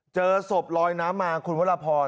เจอศพลอยน้ำมาคุณวรพร